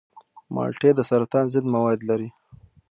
مالټې د سرطان ضد مواد لري.